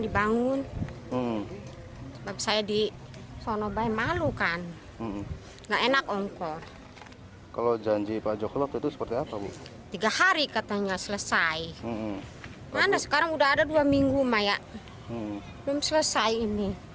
belum selesai ini